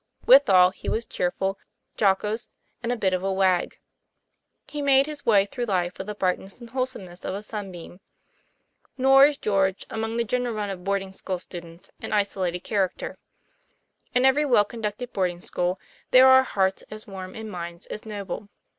Withal, he was cheerful, jo cose, and a bit of a wag. He made his way through life with the brightness and wholesomeness of a sun beam. Nor is George, among the general run of boarding school students, an isolated character. In every well conducted boarding school there are hearts as warm and minds as noble.